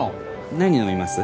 何飲みます？